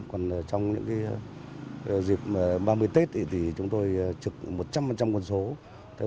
còn trong những dịp ba mươi tết thì chúng tôi trực một trăm linh quân số